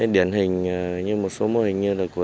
điển hình như một số mô hình như là của